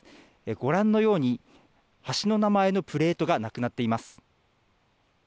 ご覧のように、橋の名前のプレートがなくなっています。